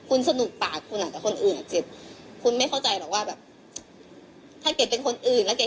คือเขาเดือดร้อนคนเก่าเขาก็เดือดร้อนแฟนเขาก็หนีเขาโทรมาว่าเก๋อย่างนั้นอย่างนี้